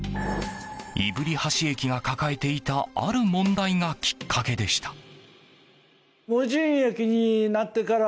動橋駅が抱えていたある問題がきっかけでした。